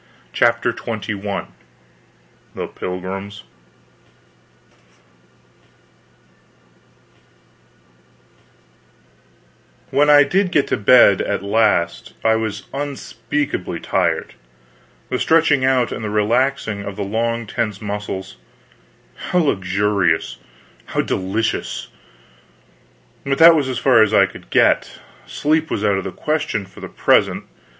CHAPTER XXI THE PILGRIMS When I did get to bed at last I was unspeakably tired; the stretching out, and the relaxing of the long tense muscles, how luxurious, how delicious! but that was as far as I could get sleep was out of the question for the present.